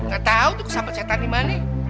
ga tau tuh kesempatan siapa ini mane